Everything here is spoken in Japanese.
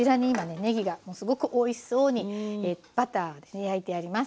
ねぎがもうすごくおいしそうにバターで焼いてあります。